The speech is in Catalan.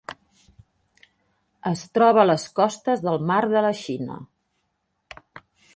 Es troba a les costes del Mar de la Xina.